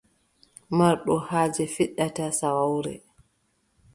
Marɗo haaje fiɗɗata saawawre.